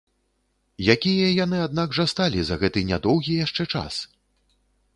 Якія яны аднак жа сталі за гэты нядоўгі яшчэ час!